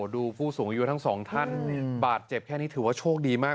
ผู้สูงอายุทั้งสองท่านบาดเจ็บแค่นี้ถือว่าโชคดีมาก